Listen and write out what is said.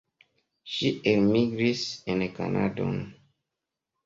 Ŝi elmigris en Kanadon.